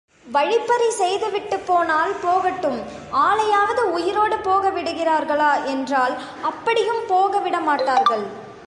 வழிப்பறி செய்துவிட்டுப் போனால் போகட்டும், ஆளையாவது உயிரோடு போக விடுகிறார்களா என்றால், அப்படியும் போக விட மாட்டார்கள்.